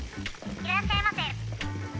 いらっしゃいませ。